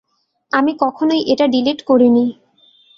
আমি কখনোই এটা ডিলেট করিনি।